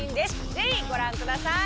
ぜひご覧ください